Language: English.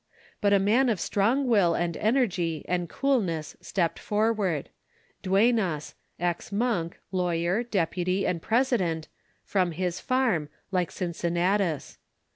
But a man of strong will and energy and coolness stepped forward Duenas, ex monk, lawyer, deputy, and president from his farm, like Cincinnatus.